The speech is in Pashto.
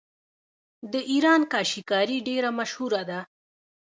د ایران کاشي کاري ډیره مشهوره ده.